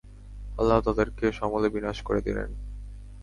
আল্লাহ তাদেরকে সমূলে বিনাশ করে দিলেন।